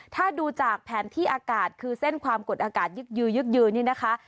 ถ้าดูจากแผนที่อากาศคือเส้นความกดอากาศยึกยือยึกยือนี่นะคะ